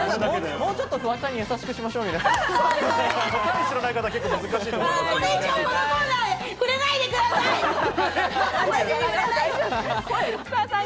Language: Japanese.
もうちょっとフワちゃんに優しくしましょう、皆さん。